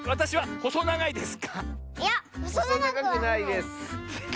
ほそながくないです。